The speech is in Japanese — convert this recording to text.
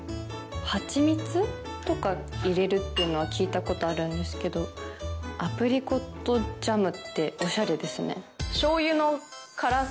ハチミツとか入れるってのは聞いたことあるんですけどアプリコットジャムっておしゃれですね。